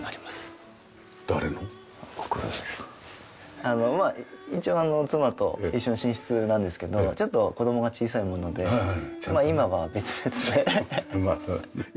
まあ一応妻と一緒の寝室なんですけどちょっと子供が小さいものでま